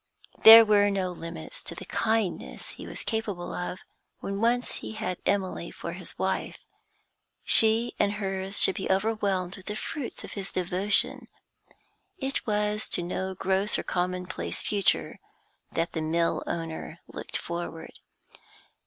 There were no limits to the kindness he was capable of, when once he had Emily for his wife; she and hers should be overwhelmed with the fruits of his devotion. It was to no gross or commonplace future that the mill owner looked forward.